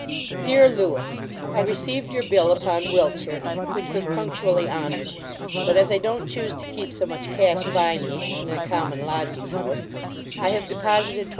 DEAR LEWIS, I received your bill upon Wiltshire, which was punctually honoured; but as I don't choose to keep so much cash by me, in a common lodging house, I have deposited 250l.